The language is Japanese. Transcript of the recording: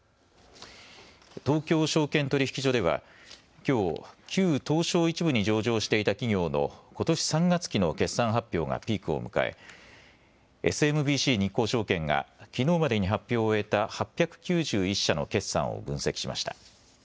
東京証券取引所ではきょう、旧東証１部に上場していた企業のことし３月期の決算発表がピークを迎え、ＳＭＢＣ日興証券がきのうまでに発表を終えた８９１社の決算を分析しました。